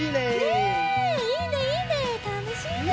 ねっいいねいいねたのしいね。